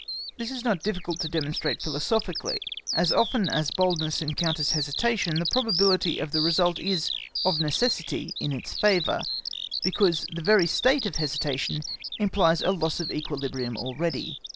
This is not difficult to demonstrate philosophically. As often as boldness encounters hesitation, the probability of the result is of necessity in its favour, because the very state of hesitation implies a loss of equilibrium already.